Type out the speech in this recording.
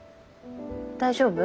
大丈夫？